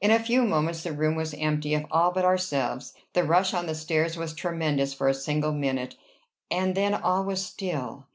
In a few moments the room was empty of all but ourselves. The rush on the stairs was tremendous for a single minute, and then all was still.